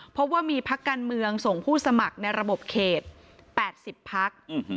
เพราะว่ามีพักการเมืองส่งผู้สมัครในระบบเขต๘๐พัก